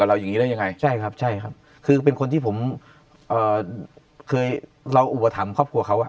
เราอย่างงี้ได้ยังไงใช่ครับใช่ครับคือเป็นคนที่ผมเอ่อเคยเราอุปถัมภ์ครอบครัวเขาอ่ะ